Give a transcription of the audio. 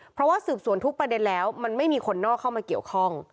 เพราะว่าสืบสวนทุกประเด็นแล้วมันไม่มีคนนอกเข้ามาเกี่ยวข้อง